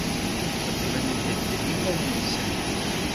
Qeddment-d iman-nsent.